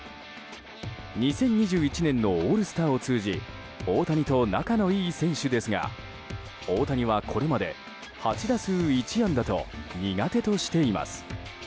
２０２１年のオールスターを通じ大谷と仲のいい選手ですが大谷は、これまで８打数１安打と苦手としています。